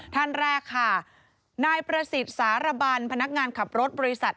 ท่านแรกค่ะนายประสิทธิ์สารบันพนักงานขับรถบริษัท